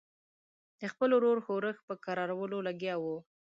د خپل ورور ښورښ په کرارولو لګیا وو.